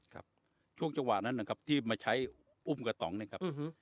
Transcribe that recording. ครับช่วงจังหวะนั้นนะครับที่มาใช้อุ้มกระต่องเนี่ยครับ